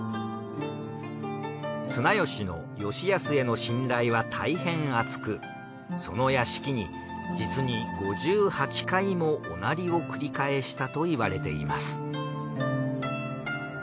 綱吉の吉保への信頼はたいへん厚くその屋敷に実に５８回も御成を繰り返したといわれています。